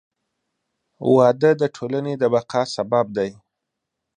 • واده د ټولنې د بقا سبب دی.